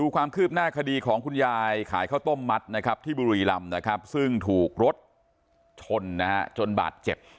คุณยายขายข้าวต้มมัดที่บุรีรำซึ่งถูกรถชนจนบาดเจ็บ